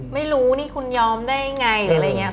ไม่รู้นี่คุณยอมได้ไงหรืออะไรอย่างนี้